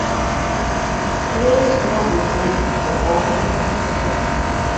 Place no go dey for all man.